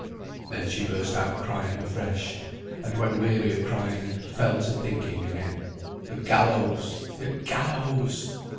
Then she burst out crying afresh; and when weary of crying, fell to thinking again. The gallows! The gallows!